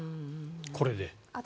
これで。